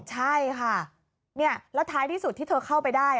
ใช่ค่ะแล้วท้ายที่สุดที่เธอเข้าไปได้